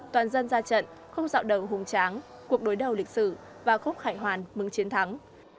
toàn dân ra trận khúc dạo đầu hùng tráng cuộc đối đầu lịch sử và khúc hải hoàn mừng chiến thắng